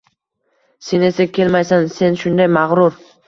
Sen esa kelmaysan — sen shunday mag‘rur